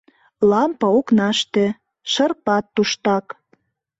Лампе окнаште, шырпат туштак.